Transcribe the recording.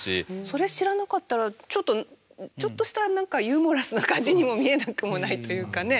それ知らなかったらちょっとちょっとした何かユーモラスな感じにも見えなくもないというかね。